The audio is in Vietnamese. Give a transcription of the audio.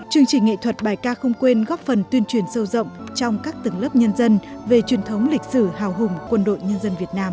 chương trình nghệ thuật bài ca không quên góp phần tuyên truyền sâu rộng trong các tầng lớp nhân dân về truyền thống lịch sử hào hùng quân đội nhân dân việt nam